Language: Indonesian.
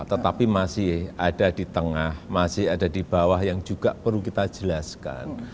tetapi masih ada di tengah masih ada di bawah yang juga perlu kita jelaskan